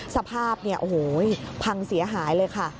สภาพพังเสียหายเลยค่ะ